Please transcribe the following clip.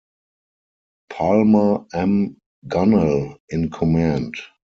Palmer M. Gunnell in command.